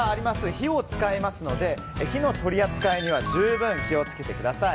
火を使いますので火の取り扱いには十分気を付けてください。